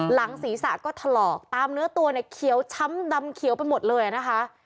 หลังศีรษะก็ถลอกตามเนื้อตัวเนี่ยเขียวช้ำดำเขียวไปหมดเลยนะคะ